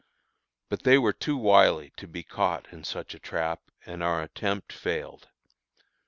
But they were too wily to be caught in such a trap, and our attempt failed.